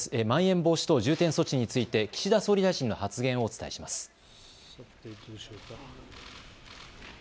まん延防止等重点措置について岸田総理大臣の発言をお伝えします。